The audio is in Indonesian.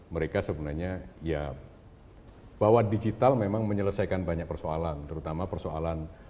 mereka sebenarnya ya bahwa digital memang menyelesaikan banyak persoalan terutama persoalan